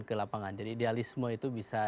ke lapangan jadi idealisme itu bisa